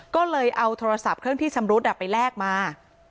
ก็เลยเอาโทรศัพท์เครื่องที่ชำรุดไปแลกมา